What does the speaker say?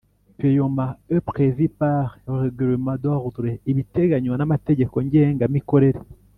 paiement est pr vu par le r glement d ordre ibiteganywa n amategeko ngenga mikorere